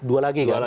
dua lagi kan